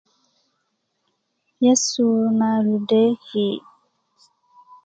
yesu na ludeeki'